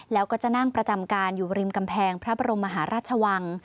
แล้วก็จะนั่งประจำการอยู่ริมกำแพงพระบรมมหาราชวัง